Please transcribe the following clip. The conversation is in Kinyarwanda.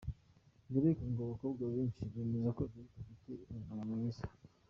Derek : Ngo abakobwa benshi bemeza ko Derek afite iminwa myiza.